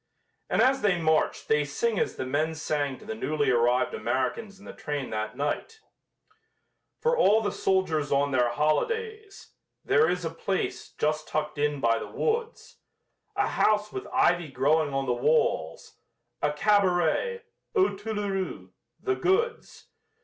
And as they march they sing as the men sang to the newly arrived Americans in the train that night: For all the soldiers, on their holidays, There is a place, just tucked in by the woods, A house with ivy growing on the walls A cabaret "Aux Toulourous" the goods!